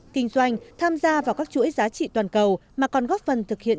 kinh doanh tham gia vào các chuỗi giá trị toàn cầu mà còn góp phần thực hiện